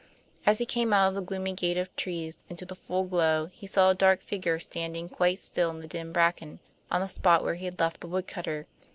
As he came out of the gloomy gate of trees into the full glow he saw a dark figure standing quite still in the dim bracken, on the spot where he had left the woodcutter.